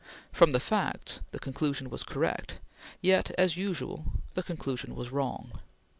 From the facts, the conclusion was correct, yet, as usual, the conclusion was wrong.